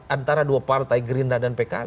antara dua partai gerinda dan pkw